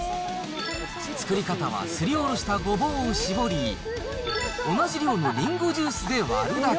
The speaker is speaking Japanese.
作り方は、すりおろしたごぼうを搾り、同じ量のりんごジュースで割るだけ。